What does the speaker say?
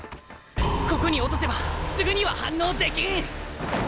ここに落とせばすぐには反応できん！